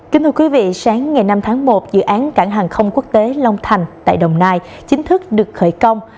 kính thưa quý vị sáng ngày năm tháng một dự án cảng hàng không quốc tế long thành tại đồng nai chính thức được khởi công